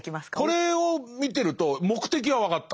これを見てると目的は分かった。